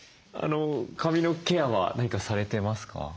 髪のケアは何かされてますか？